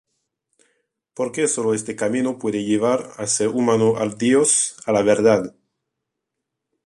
Porque solo este camino puede llevar el ser humano al Dios, a la verdad.